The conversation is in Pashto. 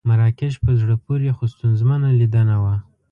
مراکش په زړه پورې خو ستونزمنه لیدنه وه.